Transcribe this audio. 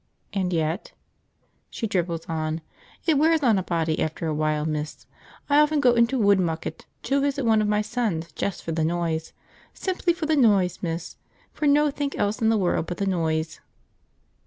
And yet" (she dribbles on) "it wears on a body after a while, miss. I often go into Woodmucket to visit one of my sons just for the noise, simply for the noise, miss, for nothink else in the world but the noise.